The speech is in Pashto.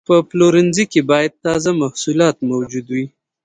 په پلورنځي کې باید تازه محصولات موجود وي.